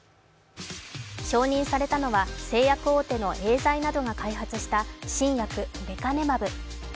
承認されたのは製薬大手のエーザイなどが開発した新薬、レカネマブ。